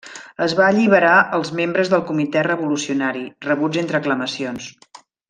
Es va alliberar als membres del Comitè revolucionari, rebuts entre aclamacions.